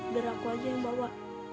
biar aku aja yang bawa